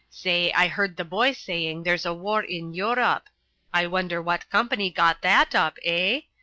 Say, I heard the boy saying there's a war in Europe. I wonder what company got that up, eh?